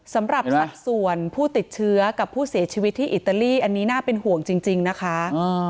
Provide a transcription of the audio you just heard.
สำหรับสัดส่วนผู้ติดเชื้อกับผู้เสียชีวิตที่อิตาลีอันนี้น่าเป็นห่วงจริงนะคะ